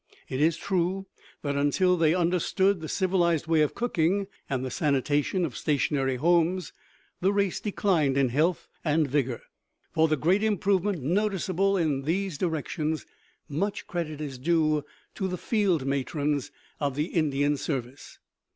It is true that until they understood the civilized way of cooking and the sanitation of stationary homes, the race declined in health and vigor. For the great improvement noticeable in these directions, much credit is due to the field matrons of the Indian Service.